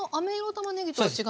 たまねぎとは違って。